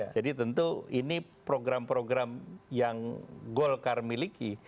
jadi tentu ini program program yang golkar miliki